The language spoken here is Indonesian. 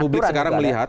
publik sekarang melihat